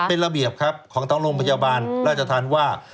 เป็นระเบียบครับของทางโรงพยาบาลราชธรรมว่า